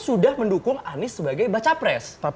sudah mendukung anies sebagai baca pres